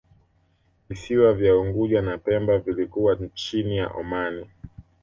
Visiwa vya Unguja na Pemba vilikuwa chini ya Omani